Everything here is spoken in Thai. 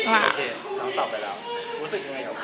มันก็